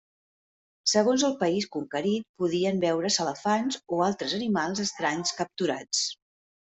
Segons el país conquerit podien veure's elefants o altres animals estranys capturats.